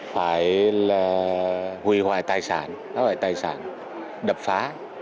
phải hủy hoại tài sản đập phá